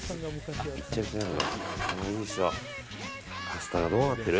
パスタがどうなってる？